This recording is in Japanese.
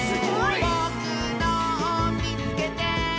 「ぼくのをみつけて！」